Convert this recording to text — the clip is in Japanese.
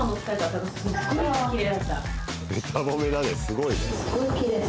すごいね。